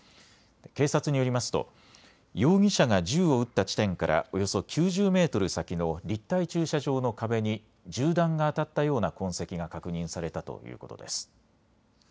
警察によりますと容疑者が銃を撃った地点からおよそ９０メートル先の立体駐車場の壁に銃弾が当たったような痕跡が確認されたということです。